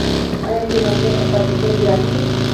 آیا جنازې او فاتحې ګرانې دي؟